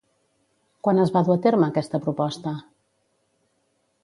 Quan es va dur a terme aquesta proposta?